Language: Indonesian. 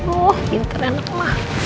oh pinter anak mama